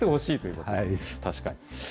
確かに。